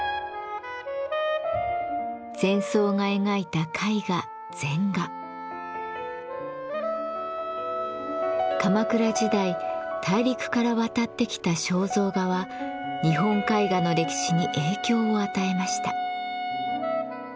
禅僧が描いた絵画鎌倉時代大陸から渡ってきた肖像画は日本絵画の歴史に影響を与えました。